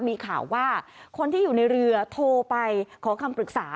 มีข่าวว่าคนที่อยู่ในเรือโทรไปขอคำปรึกษา